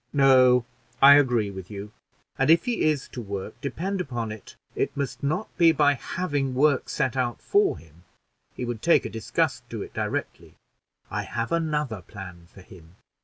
"No, I agree with you; and if he is to work, depend upon it it must not be by having work set out for him; he would take a disgust to it directly. I have another plan for him."